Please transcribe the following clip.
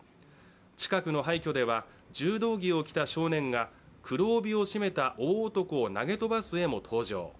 近くの廃虚では柔道着を着た少年が黒帯を締めた大男を投げ飛ばす絵も登場。